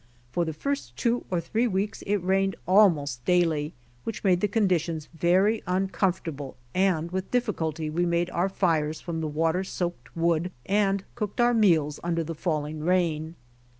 For the first two or three weeks it rained almost daily, w^hich made the conditions very uncomfortable and with difficulty we made our fires from the water soaked wood and cooked our meals under the falling rain.